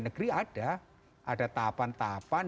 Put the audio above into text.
negeri ada ada tahapan tahapan